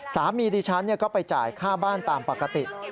ดิฉันก็ไปจ่ายค่าบ้านตามปกติ